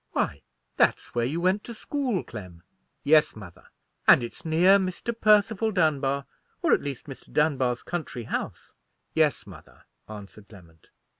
"Why, that's where you went to school, Clem!" "Yes, mother." "And it's near Mr. Percival Dunbar—or, at least, Mr. Dunbar's country house." "Yes, mother," answered Clement.